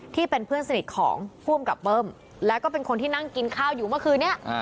ที่เป็นเพื่อนสนิทของผู้อำกับเบิ้มแล้วก็เป็นคนที่นั่งกินข้าวอยู่เมื่อคืนนี้